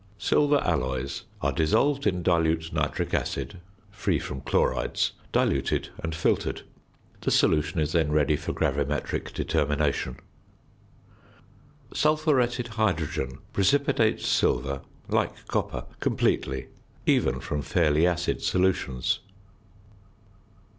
Silver alloys are dissolved in dilute nitric acid (free from chlorides), diluted, and filtered. The solution is then ready for gravimetric determination. Sulphuretted hydrogen precipitates silver (like copper), completely, even from fairly acid solutions.